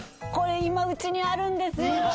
これ今うちにあるんですよ。